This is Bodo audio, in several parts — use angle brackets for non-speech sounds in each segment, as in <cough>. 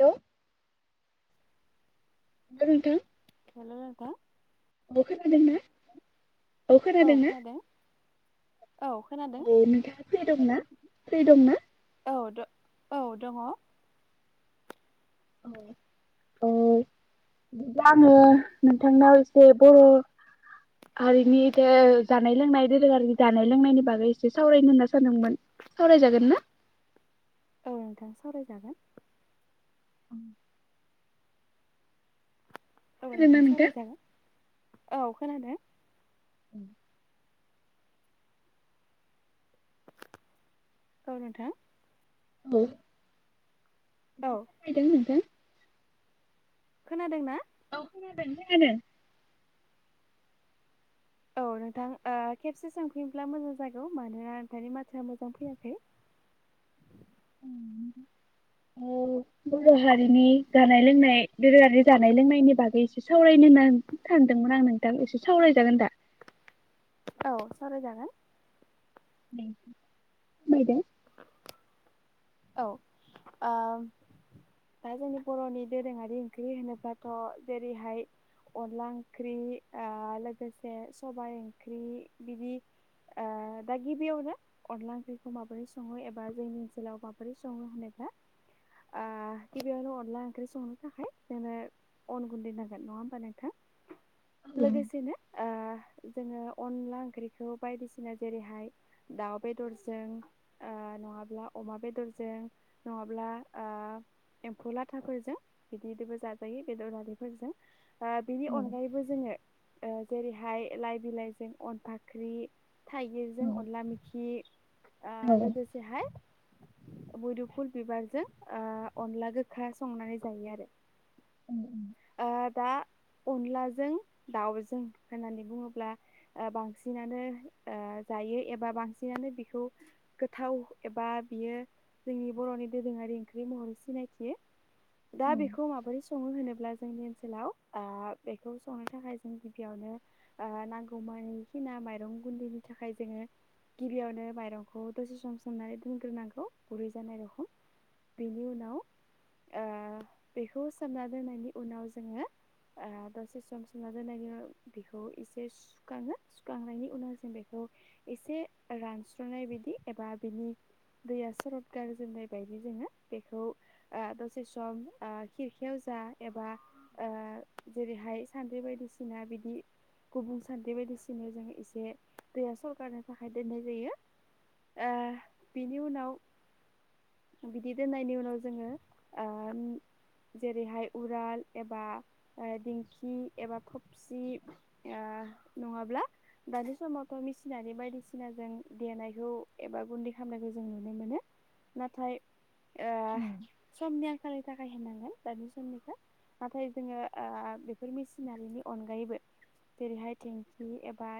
हेल' हेल नोंथां हेल' नोंथां औ खोनादोंना औ खोनादों ना? औ खोनादों। औ नोंथाङा फ्रि दंना फ्रि दंना? औ द औ दङ। औ औ बिदिब्ला आङो नोंथांनाव एसे बर' हारिनि इदि जानाय लोंनाय दोरोङारि जानाय लोंनायनि बागै एसे सावरायनो होनना सानदोंमोन। सावरायजागोन ना औ नोंथां सावरायजागोन <unintelligible> औ नोंथांङा खोनादोंना नोंथां सावरायजागोन औ खोनादों उं ओ नोंथां औ औ फैदों नोंथां खोनादों ना औ खोनादों-खोनादों औ <unintelligible> नोंथां ओ खेबसे सोंफैयोब्ला मोजां जागौ मानोना नोंथांनि माथोआ मोजां फैयाखै औ बर हारिनि जानाय लोंनाय दोरोंङारि जानाय लोंनायनि बागै एसे सावरायनो सानदों मोन आं नोंथां एसे सावरायजागोन दा औ सावराय जागोन मायदों औ ओ दा जोंनि बरनि दोरोंङारि ओंख्रि होनोब्लाथ जेरैहाय अनला ओंख्रि आ लोगोसे सबाय ओंख्रि बिदि आ दा गिबियावनो अनला ओंख्रिखौ माबोरै संङो एबा जोंनि ओनसोलाव माबोरै संङो होनोब्ला आ गिबियावनो अनला ओंख्रि संनो थाखाय जोंङो अन गुन्दै नांगोन ननङा होमबा नोंथां <unintelligible> लोगोसेनो <unintelligible> जोंङो अनला ओंख्रिखौ बायदिसिना जेरैहाय दाउ बेदरजों <unintelligible> नंङाब्ला अमा बेदरजों नंङाब्ला एम्फौ लाथाफोरजों बिदि बिदिबो जाजायो बेदरहारिफोरजों आ बिनि औ अनगायैबो जोंङो ओ‌ जेरैहाय लाइ बिलाइजों अनफाख्रि थाइगिरजों अनला मेखि आ आगोल लोगोसेहाय <unintelligible> मोदोफुल बिबारजों अनला गोखा संनानै जायो आरो ओ दा अनलाजों दाउजों होननानै बुंङोब्ला बांसिनानो ओ जायो एबा बांसिनानो बिखौ गोथाव एबा बियो जोंनि बरनि दोरोंङारि ओंख्रि महरै सिनायथियो दा बेखौ माबोरै संङो होनोब्ला जोंनि ओनसोलाव ओ बेखौ संनो थाखाय जों गिबियावनो ओ नांगौ मो बायखिना माइरं गुन्दैनि थाखाय जोंङो गिबियावनो माइरं खौ दसे सम सोमनानै दोनग्रोनांगौ गुरै जानाय रखम बेनि उनाव ओ बेखौ सोमना दोननायनि उनाव जोंङो ओ दसे सम सुना दोनायनि‌ उनाव बेखौ एसे सुखांङो सुखांनायनि उनाव जों बेखौ एसे रानस्रनाय बिदि एबा बिनि दैया सरद गारजेननाय बायदि जोंङो बेखौ दसे सम ओ खिरखियाव जों आ एबा ओ जेरैहाय सान्द्रि बायदिसिना बिदि गुबुं सान्थ्रि बायदिसिनायाव जों एसे दैया सरखारनि थाखाय दोननाय जायो ओ बेनि उनाव बिदि दोननायनि उनाव जोंङो आ जेरैहाय उराल एबा दिंखि एबा खफसि ओ नङाब्ला दानि समावथ' मेसिनारि बायदिसिनाजों देनायखौ एबा गुन्दै खालामनायखौ जों नुनो मोनो नाथाय ओ समनि आं खालनि थाखाय होनांगोन दानि समनिखो नाथाय जोङो ओ बेफोर मेसिनारिनि अनगायैबो जेरैहाय टेंखि एबा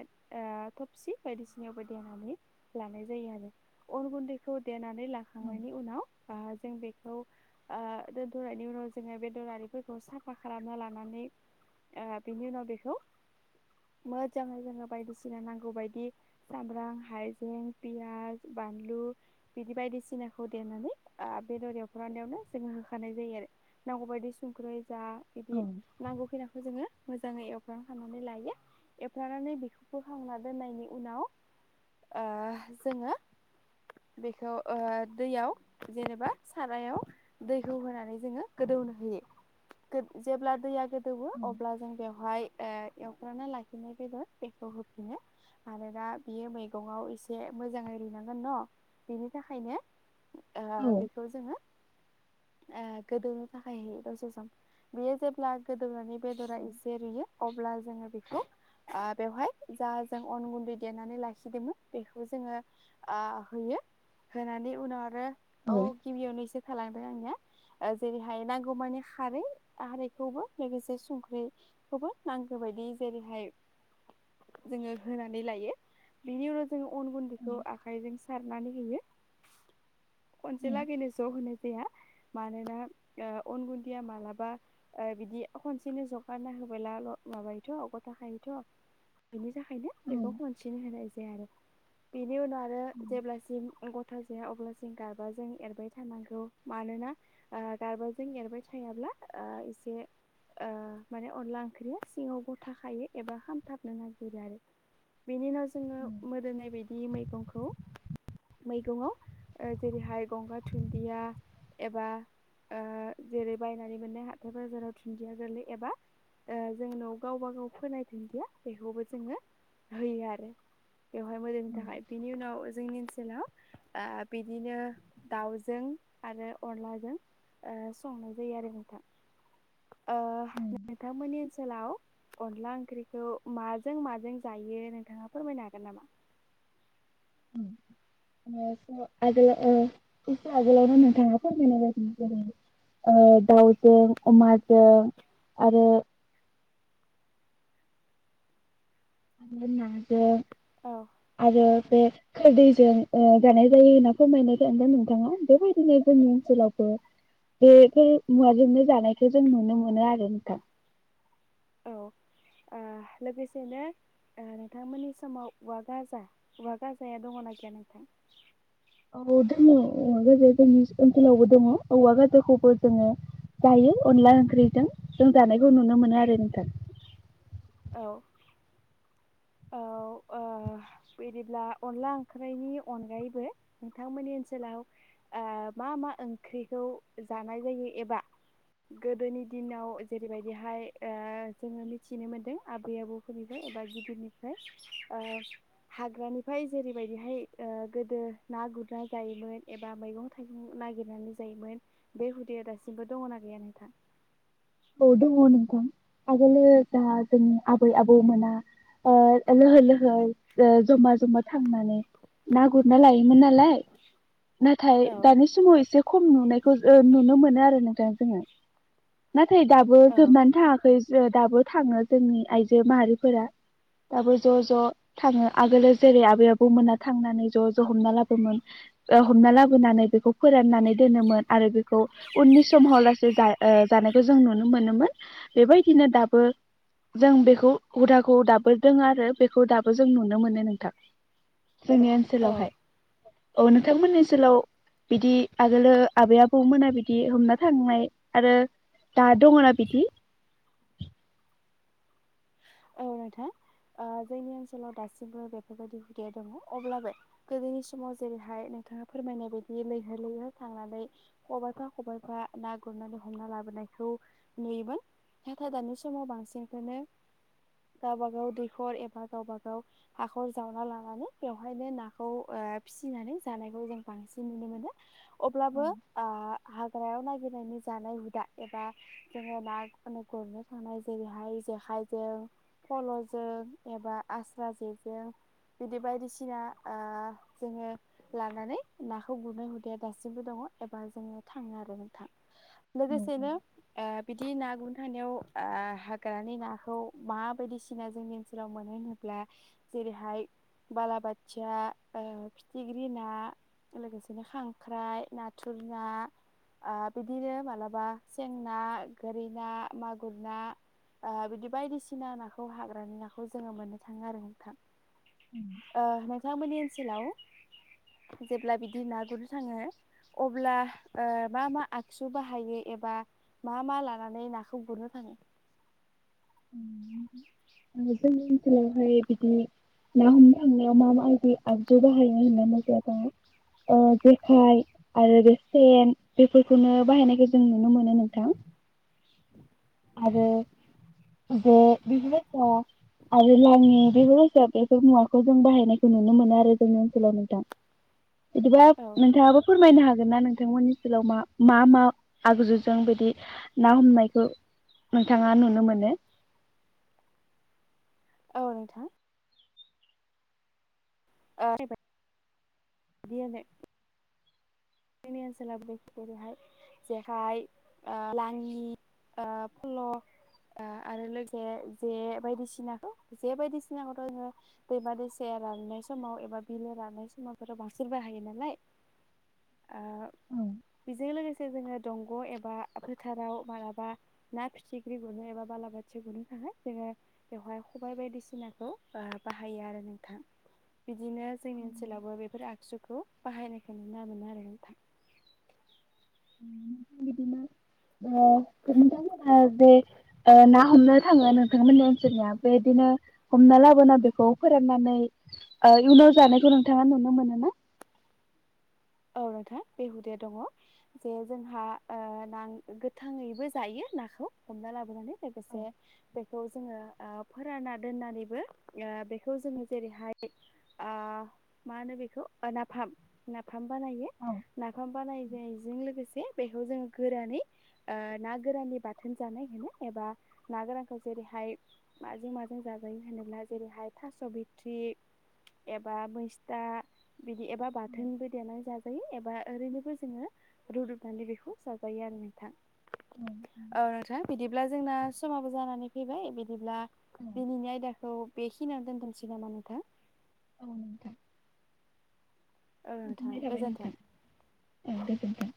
ओ थबसि बायदिसिनायावबो देनानै लानाय जायो आरो अर गुन्दैखौ देनानै लाखांनायनि उनाव बा जों बेखौ ओ दोनथनायनि उनाव जोङो बे दलारिफोरखौ साफा खालामना लानानै ओ बिनि उनाव बेखौ मोजाङै जोङो बायदिसिना नांगौ बायदि सामब्राम हाइजें पियाज बानलु बिदि बायदिसिनाखौ देनानै ओ बेदर एवफ्रानायावनो जोङो होखानाय जायो आरो नांगौबायदि संख्रै जा बिदि नांगौ खैनाखौ जोङो मोजाङै एवफ्रांखांनानै लायो एवफ्रानानै बेखौबो खांना दोननायनि उनाव ओ जोङो बेखौ ओ दैयाव जेनेबा सारायाव दैखौ होनानै जोङो गोदो दौनो होयो जेब्ला दैया गोदौओ अब्ला जों बेव हायो एवफ्राना लाखिनाय बेदर बेखौ होफिनो आरोना बियो मैगङाव एसे एसे मोजाङै रुयनांगोन न' बिनि थाखायनो ओ बेखौ जोङो ओ गोदौनो थाखाय दसे सम बेयो जेब्ला गोदौनानै बेदरा एसे रुयो अब्ला जोङो बेखौ ओ बेवहाय जा जों अन गुन्दै देनानै लाखिदोंमोन बेखौ जोङो ओ होयो होनानै उनाव आरो औ गिबियावनो एसे थालां <inaudible> ओ जेरैहाय नांगौ मानि खारै खारैखौबो लोगोसे संख्रिखौबो नांगौ बादि जेरैहाय जोङो होनानै लायो बेनि उनाव जोङो अन गुन्दैखौ आखाइजों सारनानै होयो <inaudible> खनसे लागैनो ज' होनाय जाया मानोना ओ अन गुनदैया मालाबा ओ बिदि खनसेनो जगारना होबोला ल माबायोथ' गथाखायोथ' थाखायनो बेखौ खनसेनो होनाय जाया आरो। <inaudible> बिनि उनाव आरो जेब्लासिम गथा जाया अब्लासिम गारबाजों एरबाय थानांगौ मानोना ओ गारबाजों एरबाय थायाब्ला ओ एसे ओ माने अनला ओंख्रिया सिङाव गथा खायो एबा खामथाबनो नागिरो आरो। बेनि उनाव जोङो मोदोमनाय बायदि मैगंखौ <inaudible> मैगङाव ओ जेरैहाय गंगार दुन्दिया एबा ओ जेरै बायनानै मोननाय हाथाय बाजाराव दुन्दिया गोरलै एबा ओ जोंनाव गावबा गाव फोनाय दिन्दिया बेखौबो जोङो होयो आरो बेवहाय मोदोमनि थाखाय बिनि उनाव जोंनि ओनजोलाव ओ बिदिनो दाउजों आरो अनलाजों ओ संनाय जायो आरो नोंथां ओ नोंथांमोननि ओनसोलाव अनला ओंख्रिखौ माजों माजों जायो नोंथाङा फोरमायनो हागोन नामा? उम आगोलाव ओ एसे आगोलावनो नोंथाङा फोरमायनाय बिदि जोंनि ओ दाउजों अमाजों आरो आरो नाजों औ आरो बे खोरदैजों ओ जानाय जायो होनना फोरमायनाय नोंथाङा बेबायदिनो जोंनि ओनसोलावबो बेफोर मुवाजोंनो जानायखौ जों नुनो मोनो आरो नोंथां औ आह लोगोसेनो ओ नोंथांमोननि समाव उवा गाजा उवा गाजाया दङ ना गैया नोंथां औ दोङो ओ गोदो जोंनिस ओनसोलावबो दङ औवा गाजाखौबो जोङो जायो अनला ओंख्रिजों जों जानायखौ नुनो मोनो आरो नोंथां औ औ ओ बिदिब्ला अनला ओंख्रैनि अनगायैबो नोंथांमोननि ओनसोलाव ओ ओ मा मा ओंख्रिखौ जानाय जायो एबा गोदोनि दिनाव जेरैबायदिहाय ओ जोङो मिथिनो मोन्दों आबै आबौ फोरनिफ्राय एबा गिदिरनिफ्राय ओ हाग्रानिफ्राय जेरैबायदिहाय ओ गोदो ना गुरना जायोमोन एबा मैगं थाइगं नागिरनानै जायोमोन बे हुदाया दासिमबो दङना गैया नोंथां औ दङ नोंथां आगोलो जा जोंनि आबै आबौमोना ओ लोहोर लोहोर ओ जमा जमा थांनानै ना गुरना लायोमोन नालाय नाथाय औ दानि समाव एसे खम नुनायखौ ओ नुनो मोनो आरो नोंथां जोङो थै दाबो औ जोबनानै थाङाखै जो दाबो थाङो जोंनि आइजो माहारिफोरा दाबो ज' ज' थाङो आगोलो जेरै आबै आबौमोना थांनानै ज' ज' हमना लाबोमोन ओ हमना लाबोनानै बेखौ फोराननानै दोनोमोन आरो बेखौ उननि समहाव लासे जा ओ जानायखौ जों नुनो मोनोमोन बेबायदिनो दाबो जों बेखौ हुदाखौ दाबो दों आरो बेखौ दाबो जों नुनो मोनो नोंथां जोंनि औ ओनसोलावहाय औ नोंथांमोननि ओनसोलाव बिदि आगोलो आबै आबौमोना बिदि हमना थांनाय आरो दा दङना बिदि औ नोंथां ओ जोंनि ओनसोलाव दासिमबो बेफोरबायदि हुदाया दङ अब्लाबो गोदोनि समाव जेरैहाय नोंथाङा फोरमायनाय बायदि लैहोर लैहोर थांनानै खबाइफा खबाइफा ना गुरनानै हमना लाबोनाय- खौ नुयोमोन नाथाय दानि समाव बांसिनखौनो गावबा गाव दैखर एबा गावबा गाव हाखर जावना लानानै बेवहायनो नाखौ ओ बा फिसिनानै जानायखौ जों बांसिन नुनो मोनो अब्लाबो औ आ हाग्रायाव नागिरनायनि जानाय हुदा एबा जोङो ना उनखौनो सारनाय जायो जेरैहाय जेखाइजों फल'जों एबा आस्रा जेजों बिदि बायदिसिना ओ जोङो लानानै नाखौ गुरनो हुदा दासिमबो दङ एबा जोङो थाङो आरो नोंथां औ औ लोगोसेनो ओ बिदि ना गुरनो थानायाव ओ हाग्रानि नाखौ मा बायदिसिना जोंनि ओनसोलाव मोनो होनोब्ला जेरैहाय बालाबाथिया ओ फिथिग्रि ना ओलोगोसेनो खांख्राइ नाथुर ना ओ बिदिनो मालाबा सें ना गोरि ना मागुर ना ओ बिदि बायायदि- सिना नाखौ हाग्रानि नाखौ जोङो मोननो थाङो आरो नोंथां ओ नों- थांमोननि ओनसोलाव जेब्ला बिदि ना गुरनो थाङो अब्ला ओ मा मा आगसु बाहायो ए- एबा मा मा लानानै नाखौ गुरनो थाङो <unintelligible> ओङो जोंनि ओनसोलावहाय बिदिनो ना हमनो थांनायाव मा मा आयबोयो आगजु बाहायो होनना मोजांाब <unintelligible> ओ जेखाय आरो बे सेन बेफोरखौनो बाहायनायखौ जों नुनो मोनो नोंथां <inaudible> आरो बे बिफोरबायसा आरो लाङि बेफोर <inaudible> बेफोर मुवाखौ जों बाहायनायखौ नुनो मोनो आरो जोंनि ओनसोलावनो दा। बिदिब्ला औ नोंथाङाबो फोरमायनो हागोन ना नोंथांमोननि सोलाव मा-मा मा आगजुजों बे ना हमनायखौ नोंथाङा नुनो मोनो औ नोंथां आरैबायदि <inaudible> जोंनि ओनसोलाव <inaudible> जेखाय ओ लाङि आ फल' आ आरो लोगोसे जे बायदिसिनाखौ जे बायदिसिनाखौथ' जों दैमा दैसायाव राननाय समाव एबा बिलो राननाय समायफोराव बांसिन बाहायो नालाय ओ औ बेजों लोगोसे जोङो दंग' एबा फोथाराव मालाबा ना फिथिख्रि गुरनो एबा बालाबाथि गुरनो थाखाय जोङो बेवहाय खबाय बायदिसिनाखौ बाहायो आरो नोंथां। <inaudible> बिदिनो जोंनि ओनसोलावबो बेफोर आगजुखौ बाहायनायखौ नुनो मोनो आरो। नोंथां बिदिनो ओ नोंथांमोनहा बे ओ ना हमनो थाङो नोंथांमोननि ओनसोलनिया बेबायदिनो हमना लाबोना बेखौ फोराननानै इयुनाव जानायखौ नोंथाङा नुनो मोनो ना? औ नोंथां बे हुदाया दङ जे जोंहा ना गोथाङैबो जायो। नाखौ हमना लाबोनानै औ लोगोसे बेखौ जोङो फोराना दोननानैबो बेखौ जोङो जेरैहाय मा होनो बेखौ नाफाम नाफाम बानायो औ नाफाम बानायनायजों लोगोसे बेखौ जोङो गोरानै ना गोराननि बाथोन जानो थाखाय एबा ना गोरानखौ जेरै खाय माजों माजों जाजायो होनोब्ला जेरैहाय थास' बिथ्रि एबा मैस्था बिदि एबा बाथोनबो देनानै जाजायो एबा ओरैनोबो जोङो रुदबनानै बेखौ जाजायो आरो नोंथां। औ नोंथां बिदिब्ला जोंना समाबो जानानै फैबाय बिदिब्ला औ दिनैनि आयदाखौ बेखिनियाव दोनथोंसै नामा नोंथां? औ नोंथां औ नोंथां गोजोननाय थाबाय गोजोन्थों नोंथां औ गोजोन्थों।